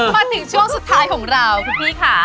มาถึงช่วงสุดท้ายของเราคุณพี่ค่ะ